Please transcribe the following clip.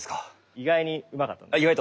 意外にうまかったです。